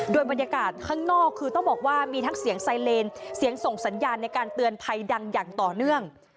โดยบรรยากาศข้างนอกคือต้องบอกว่ามีทั้งเสียงไซเลนเสียงส่งสัญญาณในการเตือนภัยดังอย่างต่อเนื่อง